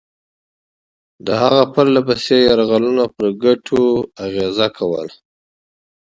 د هغه پرله پسې یرغلونو پر ګټو اغېزه کوله.